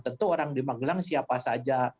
tentu orang di magelang siapa saja